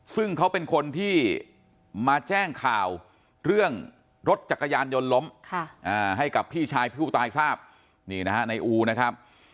ซึ่งเขาเป็นคนที่มาแจ้งข่าวเรื่องรถจักรยานยนต์ล้มให้กับพี่ชายผู้ตายทราบนี่นะฮะในอูนะครับ